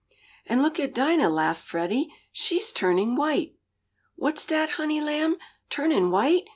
"And look at Dinah!" laughed Freddie. "She's turning white!" "What's dat, honey lamb? Turnin' white?"